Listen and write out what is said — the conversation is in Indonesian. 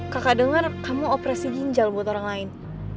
kakak dengar kamu operasi ginjal buat orang lain